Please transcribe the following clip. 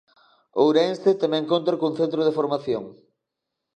Ourense tamén conta cun centro de formación.